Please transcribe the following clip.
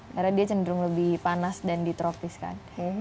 karena dia cenderung lebih panas dan di tropis kan